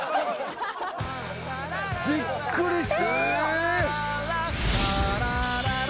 びっくりした。え？